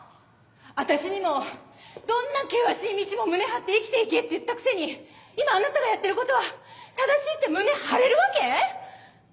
私にもどんな険しい道も胸張って生きて行けって言ったくせに今あなたがやってることは正しいって胸張れるわけ？